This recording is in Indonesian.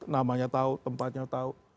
namanya tahu tempatnya tahu